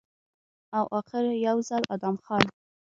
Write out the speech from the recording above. او اخر يو ځل ادم خان